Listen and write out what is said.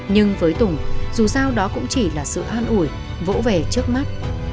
nhưng với tùng dù sao đó cũng chỉ là sự an ủi vỗ vẻ trước mắt